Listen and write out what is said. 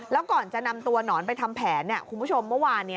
แล้วก่อนจะนำตัวหนอนไปทำแผนคุณผู้ชมเมื่อวานนี้